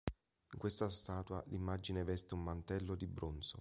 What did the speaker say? In questa statua l'immagine veste un mantello di bronzo.